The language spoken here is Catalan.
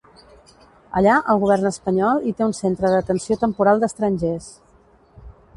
Allà, el govern espanyol hi té un centre d’atenció temporal d’estrangers.